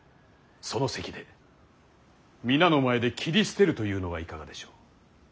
その席で皆の前で斬り捨てるというのはいかがでしょう。